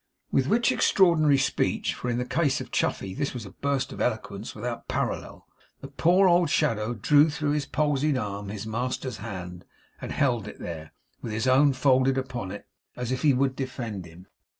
With which extraordinary speech for in the case of Chuffey this was a burst of eloquence without a parallel the poor old shadow drew through his palsied arm his master's hand, and held it there, with his own folded upon it, as if he would defend him.